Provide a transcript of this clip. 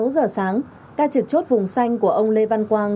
sáu giờ sáng ca trực chốt vùng xanh của ông lê văn quang